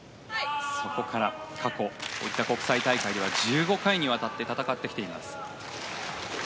そこから過去こういった国際大会では１５回にわたって戦ってきています。